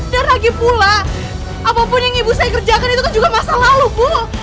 lagi pula apapun yang ibu saya kerjakan itu kan juga masa lalu bu